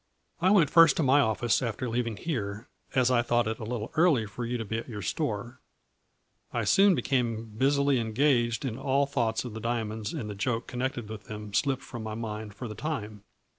" I went first to my office after leaving here, as I thought it a little early for you to be at your store. I soon became busily engaged and all thoughts of the diamonds and the joke con A FLURRY IN DIAMONDS. 201 nected with them slipped from my mind for the time.